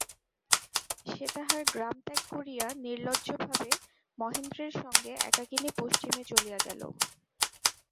সে তাহার গ্রাম ত্যাগ করিয়া নির্লজ্জভাবে মহেন্দ্রের সঙ্গে একাকিনী পশ্চিমে চলিয়া গেল!